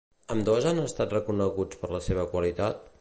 Ambdós han estat reconeguts per la seva qualitat?